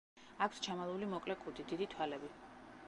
აქვთ ჩამალული მოკლე კუდი, დიდი თვალები.